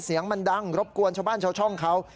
เสียงมันดังรบกวนชาวบ้านชาวช่องเขา